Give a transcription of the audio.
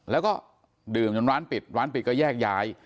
แล้วก็ดื่มจนร้านปิดร้านปิดก็แยกย้าย